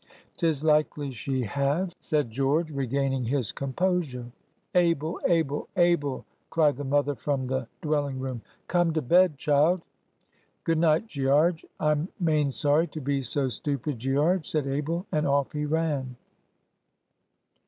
"'Tis likely she have," said George, regaining his composure. "Abel! Abel! Abel!" cried the mother from the dwelling room. "Come to bed, child!" "Good night, Gearge. I'm main sorry to be so stupid, Gearge," said Abel, and off he ran.